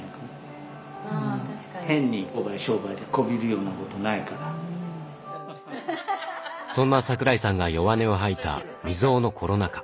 変に商売でそんな桜井さんが弱音を吐いた未曽有のコロナ禍。